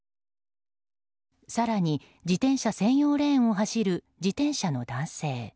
更に、自転車専用レーンを走る自転車の男性。